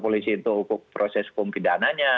polisi untuk proses hukum pidananya